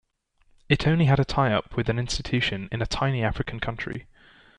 It only had a tie-up with an institution in a tiny African country.